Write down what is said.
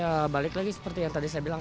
ya balik lagi seperti yang tadi saya bilang